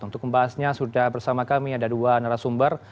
untuk membahasnya sudah bersama kami ada dua narasumber